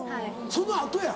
その後や。